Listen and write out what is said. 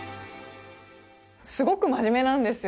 すごく真面目なんですよ。